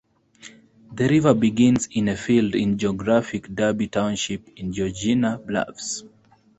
The river begins in a field in geographic Derby Township in Georgian Bluffs.